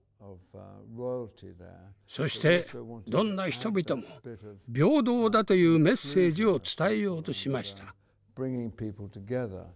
そしてどんな人々も平等だというメッセージを伝えようとしました。